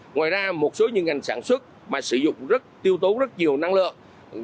ngoài ra một số những ngành sản xuất mà sử dụng tiêu tố rất nhiều năng lượng